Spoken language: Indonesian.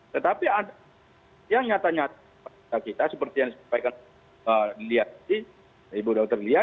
tetapi yang nyata nyata seperti yang dilihat di ibu dr lia